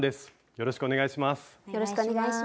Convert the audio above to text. よろしくお願いします。